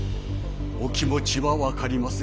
お気持ちは分かりますが。